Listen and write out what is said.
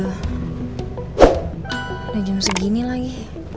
udah jam segini lagi